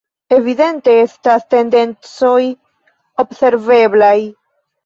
Evidente estas tendencoj observeblaj.